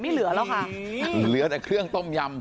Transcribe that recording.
เหลือแต่เครื่องต้มยำ